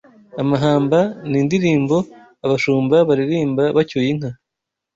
Amahamba n ‘indirimbo abashumba baririmba bacyuye inka